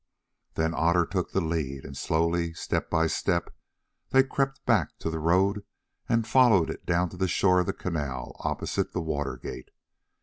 Then Otter took the lead and slowly, step by step, they crept back to the road and followed it down the shore of the canal opposite the water gate.